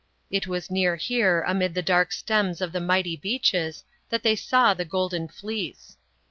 It was near here, amid the dark stems of the mighty beeches, that they saw the Golden Fleece.